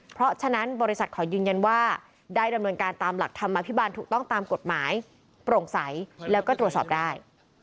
เพราะฉะนั้นบริษัทขอยืนยันว่าได้ดำเนินการตามหลักธรรมอภิบาลถูกต้องตามกฎหมายโปร่งใสแล้วก็ตรวจสอบได้